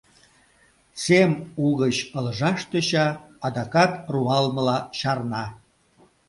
Сем угыч ылыжаш тӧча, адакат руалмыла чарна.